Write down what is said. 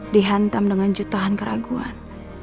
dihantam dengan jutaan keraguan